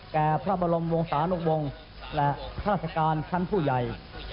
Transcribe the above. แก่พระบรมวงศานุวงศ์และข้าราชการชั้นผู้ใหญ่